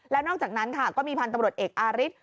และต้องนอกจากนั้นก็มีผันตำรวจเอกอาริท